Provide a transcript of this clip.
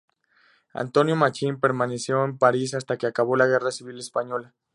Antonio Machín permaneció en París hasta que acabó la Guerra Civil Española.